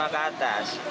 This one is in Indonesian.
dua puluh lima ke atas